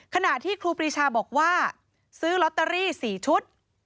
ขณะที่ครูปรีชาบอกว่าซื้อลอตเตอรี่๔ชุด